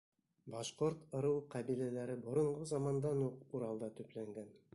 Башҡорт ырыу-ҡәбиләләре боронғо замандан уҡ Уралда төпләнгән.